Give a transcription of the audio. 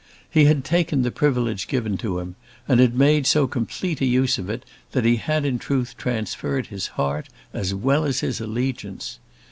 He had taken the privilege given to him, and had made so complete a use of it that he had in truth transferred his heart as well as his allegiance.